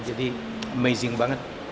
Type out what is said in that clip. jadi amazing banget